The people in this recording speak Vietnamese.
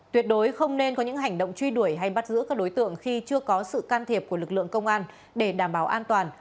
tuyệt đối không nên có những hành động truy đuổi hay bắt giữ các đối tượng khi chưa có sự can thiệp của lực lượng công an để đảm bảo an toàn